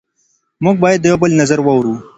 موږ باید د یو بل نظر واورو.